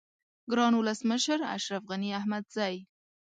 گران ولس مشر اشرف غنی احمدزی